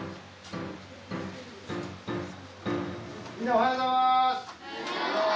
おはようございます。